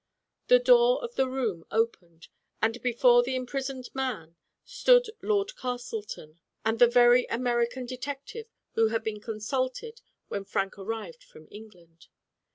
The door of the room opened, and before the imprisoned man stood Lord Castleton and the very American detective who had been consulted when Frank arrived from England.